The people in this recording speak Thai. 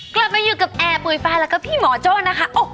คลับมาอยู่กับแอร์ปุ่ยฟายและพี่หมอโจ๊ดนะคะ